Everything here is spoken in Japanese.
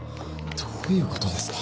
どういうことですか？